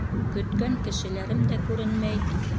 Көткән кешеләрем дә күренмәй.